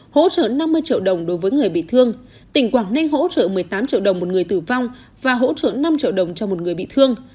hỗ trợ năm mươi triệu đồng đối với người bị thương tỉnh quảng ninh hỗ trợ một mươi tám triệu đồng một người tử vong và hỗ trợ năm triệu đồng cho một người bị thương